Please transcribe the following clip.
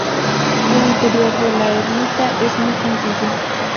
El interior de la ermita es muy sencillo.